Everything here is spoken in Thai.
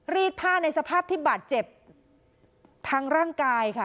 รีดผ้าในสภาพที่บาดเจ็บทางร่างกายค่ะ